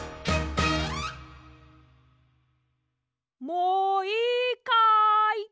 もういいかい？